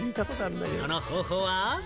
その方法は？